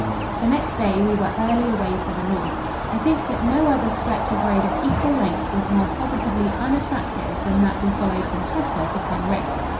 The next day we were early away for the north. I think that no other stretch of road of equal length was more positively unattractive than that we followed from Chester to Penrith.